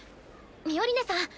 ミオリネさん。